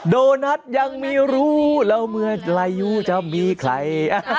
โดนัทยังไม่รู้แล้วเมื่ออายุจะมีใคร